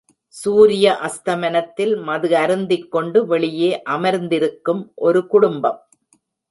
சூரிய அஸ்தமனத்தில் மது அருந்திக்கொண்டு வெளியே அமர்ந்திருக்கும் ஒரு குடும்பம்